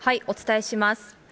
お伝えします。